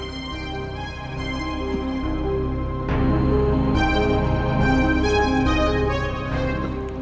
terima kasih sudah hadir disini